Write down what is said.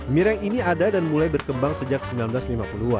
mireng ini ada dan mulai berkembang sejak seribu sembilan ratus lima puluh an